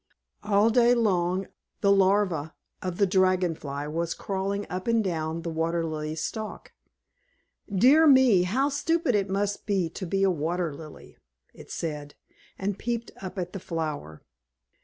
All day long the Larva of the Dragon Fly was crawling up and down the Water Lily's stalk. "Dear me, how stupid it must be to be a Water Lily!" it said, and peeped up at the flower.